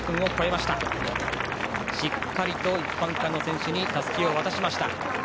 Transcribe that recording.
しっかり一般区間の選手にたすきを渡しました。